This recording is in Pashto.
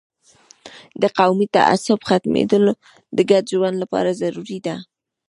د قومي تعصب ختمیدل د ګډ ژوند لپاره ضروري ده.